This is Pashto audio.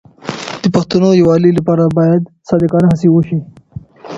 د پښتنو د یووالي لپاره باید صادقانه هڅې وشي.